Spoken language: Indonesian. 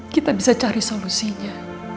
kita bisa cari solusinya